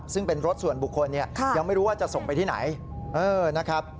ซึ่งเป็นรถส่วนบุคคลเนี่ยยังไม่รู้ว่าจะส่งไปที่ไหนนะครับ